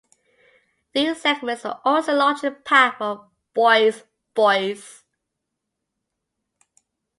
These segments were also the launching pad for Boyzvoice.